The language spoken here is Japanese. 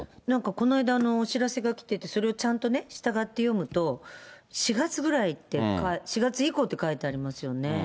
なんかこの間、お知らせが来てて、それをちゃんと従って読むと、４月ぐらいって、４月以降って書いてありますよね。